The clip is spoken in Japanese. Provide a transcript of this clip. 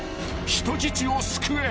［人質を救え］